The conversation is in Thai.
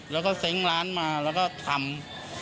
แล้วก็เซ้งร้านมาแล้วก็ทำ